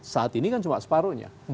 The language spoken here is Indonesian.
saat ini kan cuma separuhnya